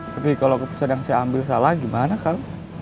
tapi kalau keputusan yang saya ambil salah gimana kang